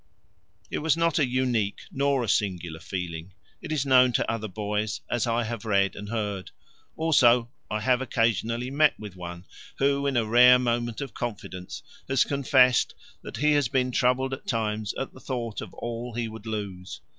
It was not a unique nor a singular feeling: it is known to other boys, as I have read and heard; also I have occasionally met with one who, in a rare moment of confidence, has confessed that he has been troubled at times at the thought of all he would lose.